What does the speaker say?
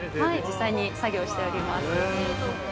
実際に作業しております。